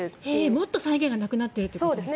もっと際限なくなっているということですか？